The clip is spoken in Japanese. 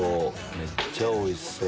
めっちゃおいしそう。